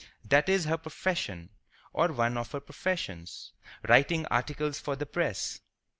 That is her profession, or one of her professions—writing articles for the press.